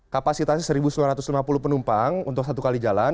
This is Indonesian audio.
kapasitasnya satu sembilan ratus lima puluh penumpang untuk satu kali jalan